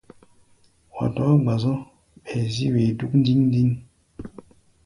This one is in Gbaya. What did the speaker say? Wa dɔɔ́ gba-zɔ̧́, ɓɛɛ zí-wee dúk ndíŋ-ndíŋ.